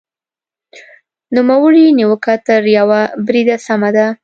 نوموړې نیوکه تر یوه بریده سمه ده.